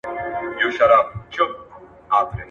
کرونا د خلکو ژوند اغېزمن کړی دی.